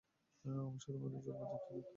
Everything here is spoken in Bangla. অবশ্যই তোমাদের জবাব যথার্থ।